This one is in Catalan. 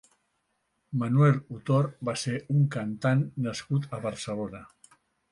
Manuel Utor va ser un cantant nascut a Barcelona.